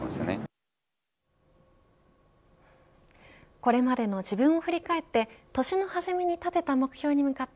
これまでの自分を振り返って年の初めに立てた目標に向かって